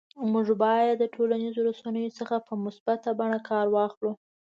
موږ باید د ټولنیزو رسنیو څخه په مثبته بڼه کار واخلو